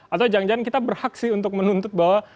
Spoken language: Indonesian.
atau jangan jangan kita berhak sih untuk menuntut bahwa